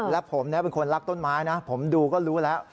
และผมเป็นคนรักต้นไม้นะผมดูก็รู้แล้ว